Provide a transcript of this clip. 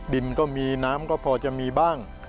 ดินก็มีน้ำก็พอจะมีบ้าง